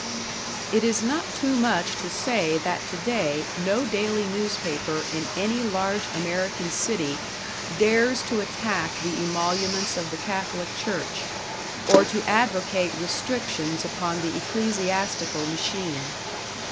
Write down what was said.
It is not too much to say that today no daily newspaper in any large American city dares to attack the emoluments of the Catholic Church, or to advocate restrictions upon the ecclesiastical machine.